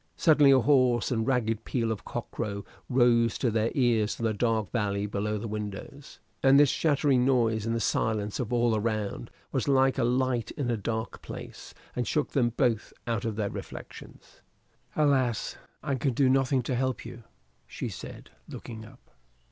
Suddenly a hoarse and ragged peal of cockcrow rose to their ears from the dark valley below the windows. And this shattering noise in the silence of all around was like a light in a dark place, and shook them both out of their reflections. "Alas, can I do nothing to help you?" she said, looking up.